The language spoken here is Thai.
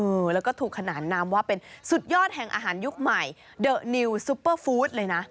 เออแล้วก็ถูกขนานนามว่าเป็นสุดยอดแห่งอาหารยุคใหม่เดอะนิวซุปเปอร์ฟู้ดเลยนะ